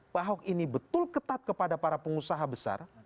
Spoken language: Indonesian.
pak ahok ini betul ketat kepada para pengusaha besar